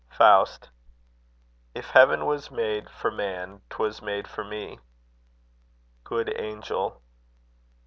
Faust. If heaven was made for man, 'twas made for me. Good Angel.